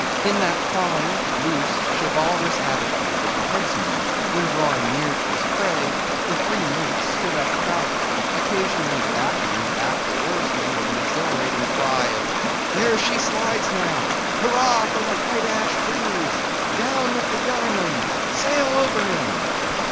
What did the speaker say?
In that fine, loose, chivalrous attitude of the headsman when drawing near to his prey, the three mates stood up proudly, occasionally backing the after oarsman with an exhilarating cry of, "There she slides, now! Hurrah for the white ash breeze! Down with the Yarman! Sail over him!"